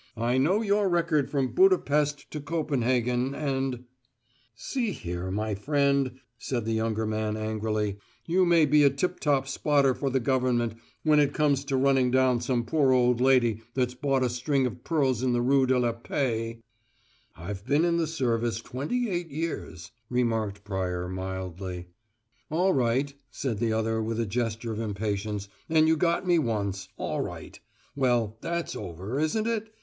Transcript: I know your record from Buda Pesth to Copenhagen and " "See here, my friend," said the younger man, angrily, "you may be a tiptop spotter for the government when it comes to running down some poor old lady that's bought a string of pearls in the Rue de la Paix " "I've been in the service twenty eight years," remarked Pryor, mildly. "All right," said the other with a gesture of impatience; "and you got me once, all right. Well, that's over, isn't it?